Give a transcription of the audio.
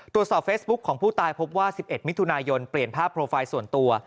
ตรวจสอบเฟซบุ๊คของผู้ตายพบว่า๑๑มิถุนายนเปลี่ยนภาพโปรไฟล์ส่วนตัว